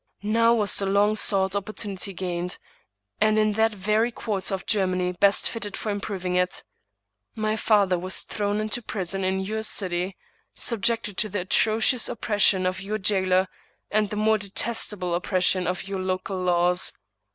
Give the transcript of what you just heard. Now was the long sought opportunity gained, and in that very quarter of Germany best fitted for improving it. My father was thrown into prison in your city, subjected to the atrocious oppression of your jailer, and the more de testable oppression of your local laws.